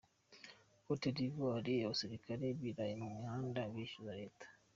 Cote d’ Ivoire: Abasirikare biraye mu mihanda bishyuza Leta .